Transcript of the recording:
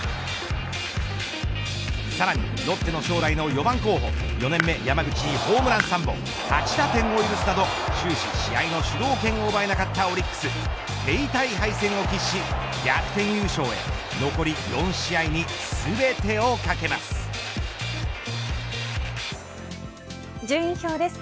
さらにロッテの将来の４番候補４年目、山口にホームラン３本８打点を許すなど、終始試合の主導権を奪えなかったオリックス手痛い敗戦を喫し逆転優勝へ残り４試合に順位表です。